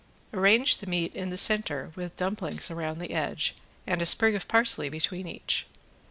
Arrange the meat in the center with dumplings around the edge and a sprig of parsley between each.